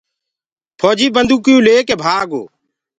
ڦوجيٚ بنٚدوڪيٚئو ليڪي ڀآگو